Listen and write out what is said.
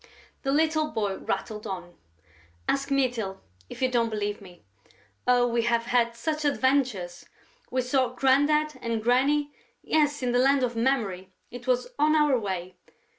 The little boy rattled on: "Ask Mytyl, if you don't believe me.... Oh, we have had such adventures!... We saw Grandad and Granny ... yes, in the Land of Memory ... it was on our way.